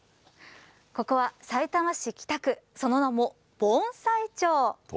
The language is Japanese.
ここはさいたま市北区、その名も盆栽町。